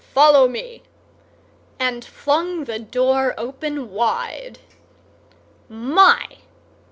Follow me!" And flung the door open wide. My!